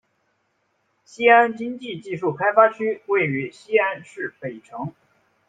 西安经济技术开发区位于西安市北城。